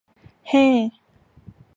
เฮ้